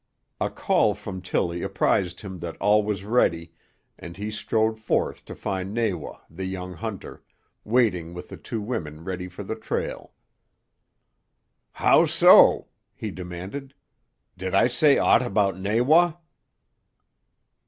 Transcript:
A call from Tillie apprised him that all was ready, and he strode forth to find Nawa, the young hunter, waiting with the two women ready for the trail. "How so?" he demanded. "Did I say aught about Nawa?"